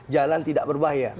jalan tidak berbayar